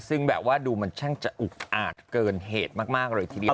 ซึ่งแบบว่าดูมันช่างจะอุกอาจเกินเหตุมากเลยทีเดียว